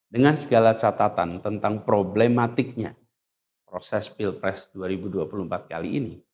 dengan segala catatan tentang problematiknya dalam proses pilpres dua ribu dua puluh empat kali ini